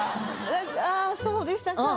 あぁそうでしたか。